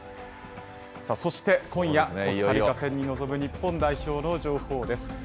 そして今夜、コスタリカ戦に臨む日本代表の情報です。